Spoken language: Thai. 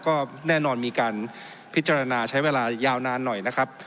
ก็แน่นอนมีการพิจารณาใช้เวลายาวนานหน่อยนะครับ